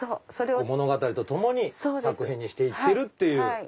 物語とともに作品にして行ってるっていう。